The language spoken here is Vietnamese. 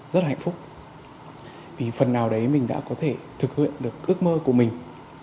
rất là hạnh phúc vì phần nào đấy mình đã có thể thực hiện được ước mơ của mình